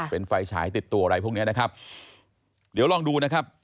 เป็นไฟฉายติดตัวอะไรพวกเนี้ยนะครับเดี๋ยวลองดูนะครับ